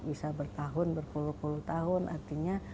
bisa bertahun berpuluh puluh tahun artinya